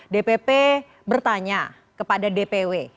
dpp bertanya kepada dpw